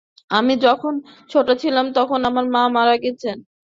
আমি যখন ছোটো ছিলাম তখন আমার মা মারা গেছেন।